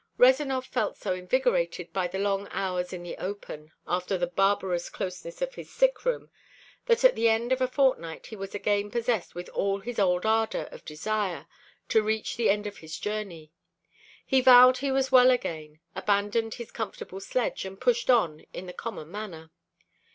Rezanov felt so invigorated by the long hours in the open after the barbarous closeness of his sick room, that at the end of a fortnight he was again possessed with all his old ardor of desire to reach the end of his journey. He vowed he was well again, abandoned his comfortable sledge, and pushed on in the common manner.